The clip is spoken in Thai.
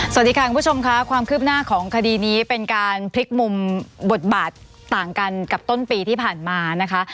สวัสดีค่ะคุณผู้ชมค่ะความคืบหน้าของคดีนี้เป็นการพลิกมุมบทบาทต่างกันกับต้นปีที่ผ่านมานะคะ